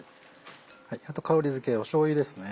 あと香りづけしょうゆですね。